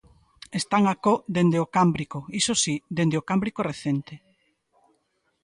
Están acó dende o Cámbrico, iso si, dende o Cámbrico recente.